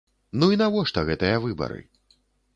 Ну і навошта гэтыя выбары?